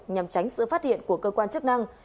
nhằm tránh sự phát hiện của cơ quan chức năng